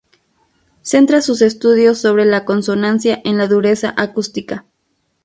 Centra sus estudios sobre la consonancia en la dureza acústica.